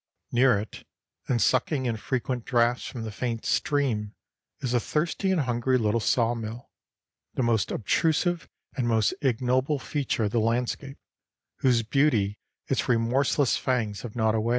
Near it, and sucking in frequent draughts from the faint stream, is a thirsty and hungry little sawmill, the most obtrusive and most ignoble feature of the landscape, whose beauty its remorseless fangs have gnawed away.